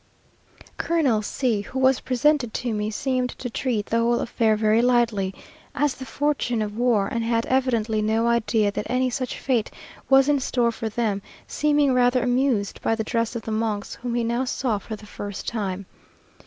Colonel C , who was presented to me, seemed to treat the whole affair very lightly, as the fortune of war; and had evidently no idea that any such fate was in store for them; seeming rather amused by the dress of the monks, whom he now saw for the first time.